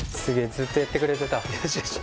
ずっとやってくれてたよしよし